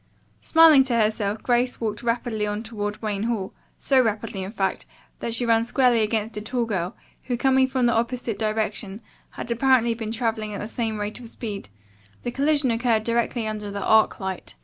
Smiling to herself Grace walked rapidly on toward Wayne Hall, so rapidly, in fact, that she ran squarely against a tall girl, who, coming from the opposite direction, had apparently been traveling at the same rate of speed. The collision occurred directly under the arc light.